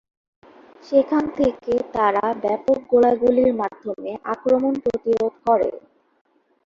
সেখান থেকে তারা ব্যাপক গোলাগুলির মাধ্যমে আক্রমণ প্রতিরোধ করে।